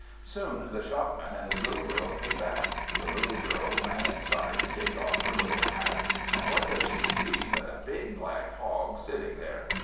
Soon the Shopman and his little girl came back. The little girl ran inside to take off her little hat, and what does she see but a big black Hog sitting there!